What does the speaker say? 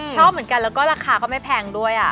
ชอบเหมือนกันแล้วก็ราคาก็ไม่แพงด้วย